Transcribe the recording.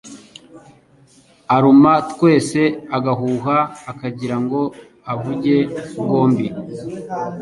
Araruma twese agahuha Akagira ngo avuge bwombi